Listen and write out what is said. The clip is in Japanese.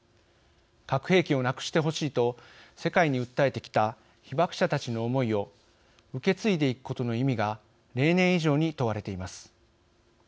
核兵器をなくしてほしいと世界に訴えてきた被爆者たちの思いを受け継いでいくことの意味が例年以上に問われています。